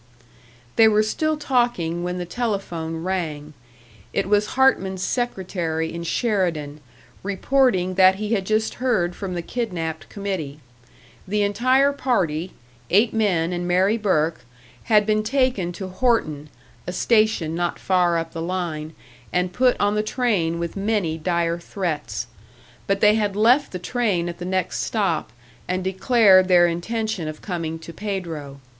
They were still talking when the telephone rang. It was Hartman's secretary in Sheridan, reporting that he had just heard from the kidnapped committee. The entire party, eight men and Mary Burke, had been taken to Horton, a station not far up the line, and put on the train with many dire threats. But they had left the train at the next stop, and declared their intention of coming to Pedro.